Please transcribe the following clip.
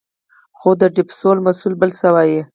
خو د ډېپو مسوول بل څه وايې.